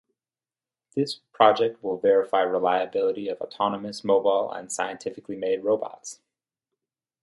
This project will verify reliability of autonomous, mobile, and scientifically made robots.